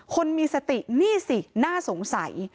คนมีสตินี่สิน่าสงสัย